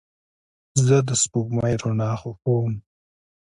زه د سپوږمۍ رڼا خوښوم.